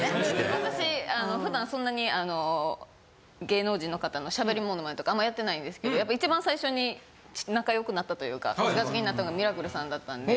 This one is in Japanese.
私普段そんなにあの芸能人の方の喋りモノマネとかあんまやってないんですけどやっぱ一番最初に仲良くなったというかお近付きになったのミラクルさんだったんで。